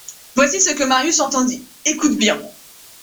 Voici ce que Marius entendit : Écoute bien.